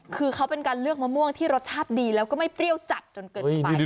คือเขาเป็นการเลือกมะม่วงที่รสชาติดีแล้วก็ไม่เปรี้ยวจัดจนเกินไป